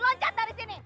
gue akan loncat dari sini